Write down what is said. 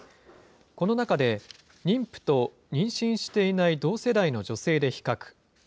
この中で、妊婦と妊娠していない同世代の女性で比較。